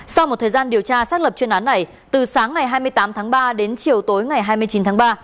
sau một thời gian điều tra xác lập chuyên án này từ sáng ngày hai mươi tám tháng ba đến chiều tối ngày hai mươi chín tháng ba